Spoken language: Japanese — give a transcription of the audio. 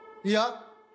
いや。